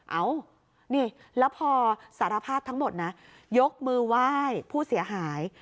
เอ้านี่แล้วพอสารภาพทั้งหมดนะยกมือไหว้ผู้เสียหาย